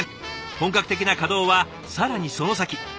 本格的な稼働は更にその先。